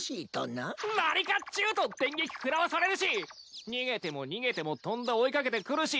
何かっちゅうと電撃食らわされるし逃げても逃げても飛んで追い掛けてくるし。